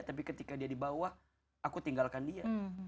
tapi ketika dia di bawah aku tinggalkan dia